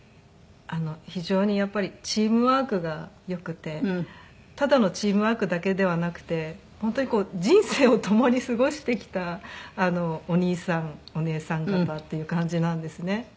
非常にやっぱりチームワークが良くてただのチームワークだけではなくて本当に人生を共に過ごしてきたお兄さんお姉さん方っていう感じなんですね。